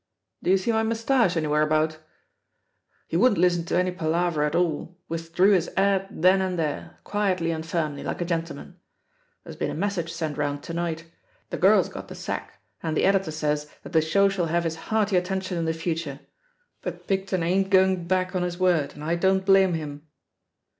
... Do you see my moustache anywhere about ?... He wouldn't listen to any palaver at all — ^withdreTH his ad then and there, quietly and firmly, like a gentleman. There's been a message sent roimd to night: the girl's got the sack, and the editor Bays that the show shall have his hearty attention THE POSITION OF PEGGY HARPER 169 in the future ; but Picton ain't going back on bis word, and I don't blame him.